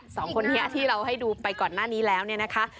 สองคนนี้ที่เราให้ดูไปก่อนหน้านี้แล้วเนี่ยนะคะ